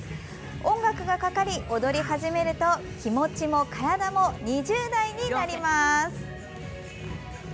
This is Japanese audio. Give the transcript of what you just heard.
音楽がかかり、踊り始めると気持ちも体も２０代になります。